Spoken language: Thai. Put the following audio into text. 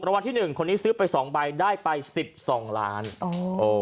วันที่หนึ่งคนนี้ซื้อไปสองใบได้ไปสิบสองล้านอ๋อเออ